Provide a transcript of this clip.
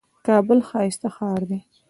کابل ښايسته ښار دئ.